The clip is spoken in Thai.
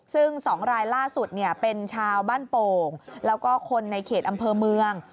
ซึ่ง๒รายล่าสุดเป็นชาวบ้านโป่งแล้วก็คนในเขตอำเภอเมือง